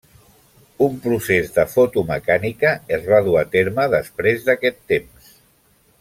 Un procés de fotomecànica es va dur a terme després d'aquest temps.